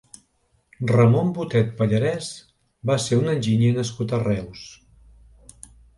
Ramon Botet Pallarès va ser un enginyer nascut a Reus.